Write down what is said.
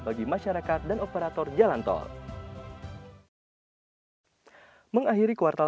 bagi masyarakat dan operator jalan tol